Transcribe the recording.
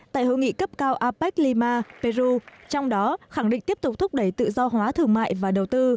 tại hội nghị cấp cao apec lima peru trong đó khẳng định tiếp tục thúc đẩy tự do hóa thương mại và đầu tư